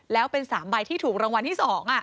แล้วเป็น๓ใบที่ถูกรางวัลที่๒